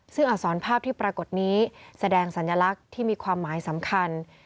ซึ่งอักษรภาพที่ปรากฏนี้แสดงสัญลักษณ์ที่มีความหมายสำคัญ